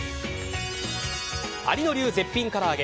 有野流絶品から揚げ。